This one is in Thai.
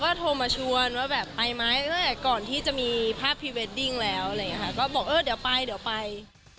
ก็บอกว่าเดี๋ยวไป